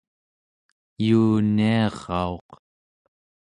yuuniarauq